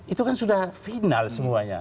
itu kan sudah final semuanya